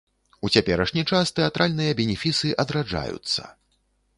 У цяперашні час тэатральныя бенефісы адраджаюцца.